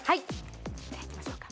じゃあいきましょうか。